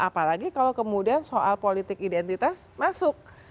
apalagi kalau kemudian soal politik identitas masuk